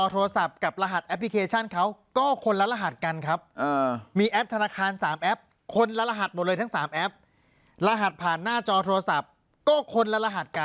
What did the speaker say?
ไม่มีเขาไม่ได้เปลี่ยนสายชาร์จแม้กระทั่งรหัสหน้าจอโทรศัพท์